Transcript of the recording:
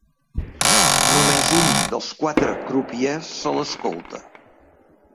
Només un dels quatre crupiers se l'escolta.